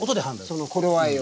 その頃合いを？